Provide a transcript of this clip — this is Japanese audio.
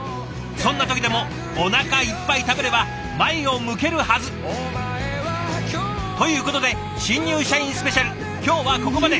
そんな時でもおなかいっぱい食べれば前を向けるはず！ということで「新入社員スペシャル」今日はここまで。